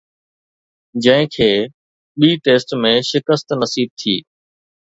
جنهن کي ٻئي ٽيسٽ ۾ شڪست نصيب ٿي